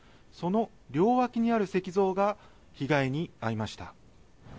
その両脇にある石像が被害に遭いました。